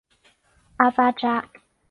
阿巴扎。